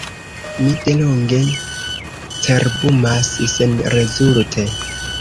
Mi delonge cerbumas senrezulte.